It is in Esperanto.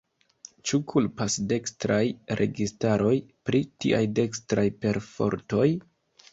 Ĉu kulpas dekstraj registaroj pri tiaj dekstraj perfortoj?